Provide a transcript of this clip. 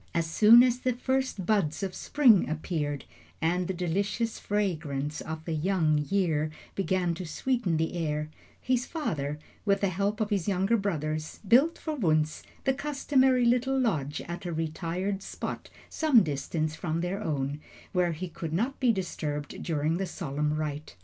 As soon as the first buds of spring appeared and the delicious fragrance of the young year began to sweeten the air, his father, with the help of his younger brothers, built for Wunzh the customary little lodge at a retired spot some distance from their own, where he would not be disturbed during the solemn rite.